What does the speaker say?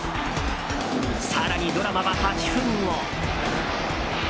更にドラマは８分後。